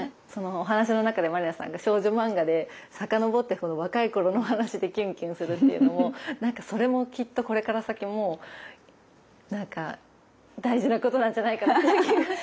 お話の中で満里奈さんが少女漫画で遡って若い頃のお話でキュンキュンするっていうのもそれもきっとこれから先もなんか大事なことなんじゃないかなっていう気がしました。